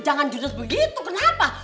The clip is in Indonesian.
jangan judus begitu kenapa